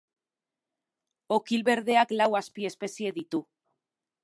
Okil berdeak lau azpiespezie ditu.